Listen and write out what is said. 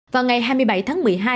vào ngày hai mươi bảy tháng một mươi hai